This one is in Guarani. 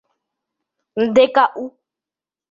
Ndeka'u.